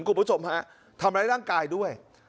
คุณผู้ชมฮะทำร้ายร่างกายด้วย